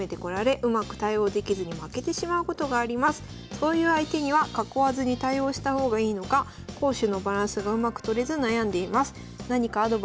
「そういう相手には囲わずに対応した方がいいのか攻守のバランスがうまくとれず悩んでいます」。